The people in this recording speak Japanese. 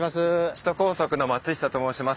首都高速の松下と申します。